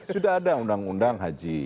sudah ada undang undang haji